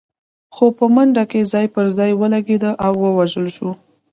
خو په منډه کې ځای پر ځای ولګېد او ووژل شو.